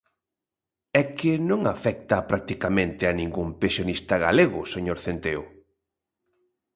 ¡É que non afecta practicamente a ningún pensionista galego, señor Centeo!